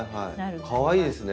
かわいいですね。